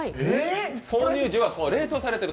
購入時は冷凍されている。